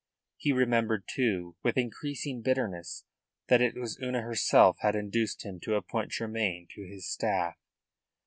He remembered, too, with increasing bitterness that it was Una herself had induced him to appoint Tremayne to his staff.